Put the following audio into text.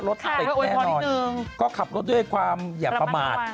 รถติดแน่นอนก็ขับรถด้วยความอย่าประมาท